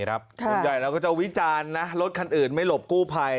ส่วนใหญ่เราก็จะวิจารณ์นะรถคันอื่นไม่หลบกู้ภัย